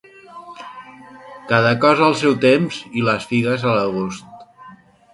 Cada cosa al seu temps, i les figues a l'agost.